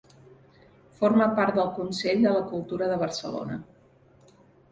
Forma part del Consell de la Cultura de Barcelona.